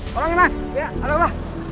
tolong ya mas ya ada apa